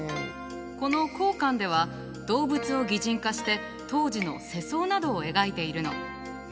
この甲巻では動物を擬人化して当時の世相などを描いているの。